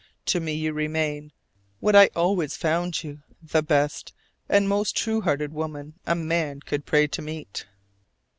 To me you remain, what I always found you, the best and most true hearted woman a man could pray to meet."